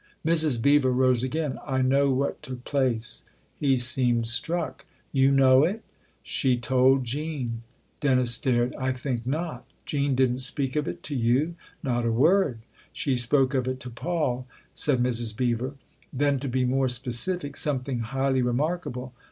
Mrs. Beever rose again. " I know what took place." He seemed struck. " You know it ?" "She told Jean." Dennis stared. " I think not." " Jean didn't speak of it to you ?"" Not a word." "She spoke of it to Paul," said Mrs. Beever. Then, to be more specific: "Something highly re markable.